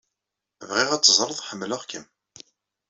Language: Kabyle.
Bɣiɣ ad teẓreḍ ḥemmleɣ-kem.